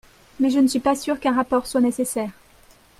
Mais je ne suis pas sûr qu’un rapport soit nécessaire.